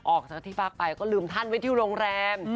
ออกจากที่พักไปก็ลืมท่านไว้ที่โรงแรม